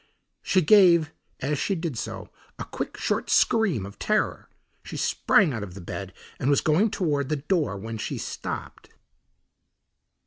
She gave, as she did so, a quick, short scream of terror. She sprang out of bed and was going toward the door, when she stopped.